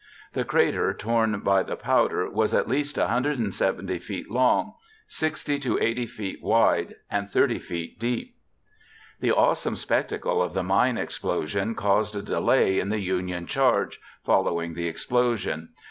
The crater torn by the powder was at least 170 feet long, 60 to 80 feet wide, and 30 feet deep. The awesome spectacle of the mine explosion caused a delay in the Union charge following the explosion.